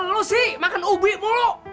lo sih makan ubi mulu